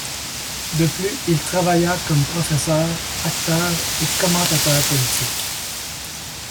De plus, il travailla comme professeur, acteur et commentateur politique.